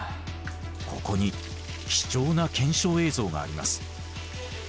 ここに貴重な検証映像があります。